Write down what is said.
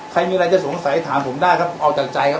ใครมีอะไรจะสงสัยถามผมได้ครับเอาจากใจครับ